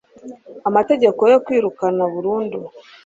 amategeko yo kwirukana burundu